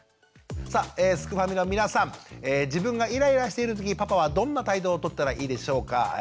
さあすくファミの皆さん自分がイライラしている時パパはどんな態度をとったらいいでしょうか。